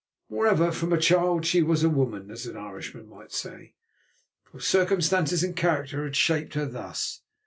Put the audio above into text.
Moreover, from a child she was a woman, as an Irishman might say, for circumstances and character had shaped her thus.